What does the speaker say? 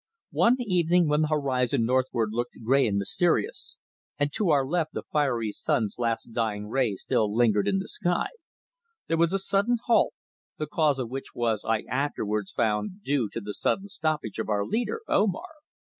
One evening, when the horizon northward looked grey and mysterious, and to our left the fiery sun's last dying ray still lingered in the sky, there was a sudden halt, the cause of which was I afterwards found due to the sudden stoppage of our leader, Omar.